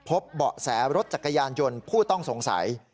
เบาะแสรถจักรยานยนต์ผู้ต้องสงสัย